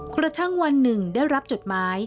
กระทั่งวันหนึ่งได้รับจดหมาย